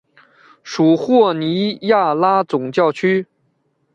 属霍尼亚拉总教区。